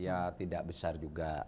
ya tidak besar juga